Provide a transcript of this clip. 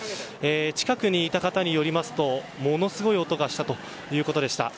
近くにいた方によりますとものすごい音がしたということでした。